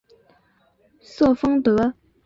瑟丰德。